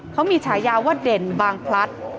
เขามีฉายาว่าเด่นบางพลัด